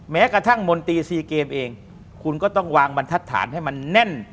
แม้กระทั่งมนตรี๔เกมเองคุณก็ต้องวางบรรทัศนให้มันแน่น